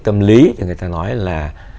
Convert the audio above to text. tâm lý thì người ta nói là